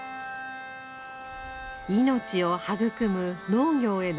命を育む農業への誇り。